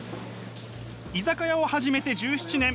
居酒屋を始めて１７年。